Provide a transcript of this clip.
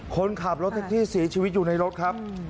คนขับที่สีชีวิตอยู่ในรถครับ